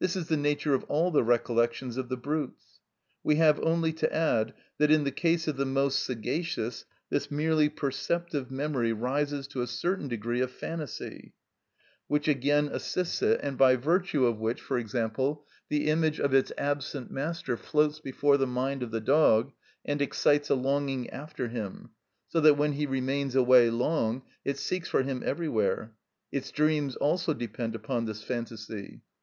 This is the nature of all the recollections of the brutes. We have only to add that in the case of the most sagacious this merely perceptive memory rises to a certain degree of phantasy, which again assists it, and by virtue of which, for example, the image of its absent master floats before the mind of the dog and excites a longing after him, so that when he remains away long it seeks for him everywhere. Its dreams also depend upon this phantasy.